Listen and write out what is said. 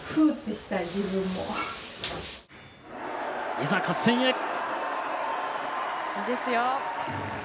いざ合戦へいいですよ